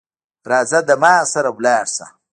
راځه زما سره لاړ شه